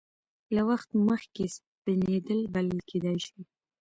له وخت مخکې سپینېدل بلل کېدای شي.